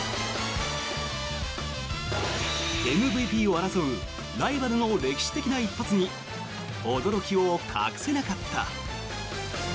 ＭＶＰを争うライバルの歴史的な一発に驚きを隠せなかった。